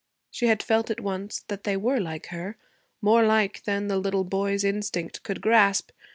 She had felt at once that they were like her; more like than the little boy's instinct could grasp.